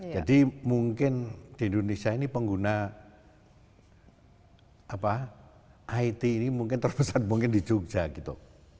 jadi mungkin di indonesia ini pengguna it ini mungkin terbesar mungkin di jogja gitu